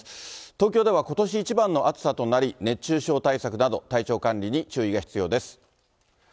東京ではことし一番の暑さとなり、熱中症対策など、体調管理に注意が必要です。